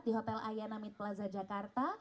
di hotel ayanamit plaza jakarta